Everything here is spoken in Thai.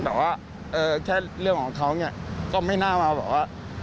แบบว่าเออแค่เรื่องของเขาเนี่ยก็ไม่น่ามาแบบว่า